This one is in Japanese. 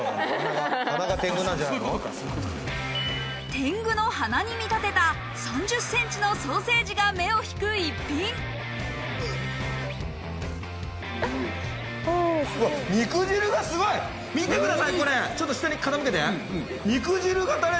天狗の鼻に見立てた３０ｃｍのソーセージが目を引く逸品見てくださいこれ！